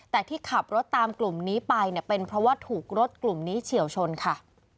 แต่ที่ขับรถตามกลุ่มนี้ไปเนี่ยเป็นเพราะว่าถูกรถกลุ่มนี้เฉียวชนค่ะ